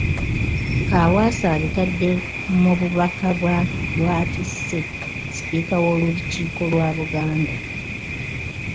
Kaawaase abitadde mu bubaka bw’atisse Sipiika w’Olukiiko lwa Buganda.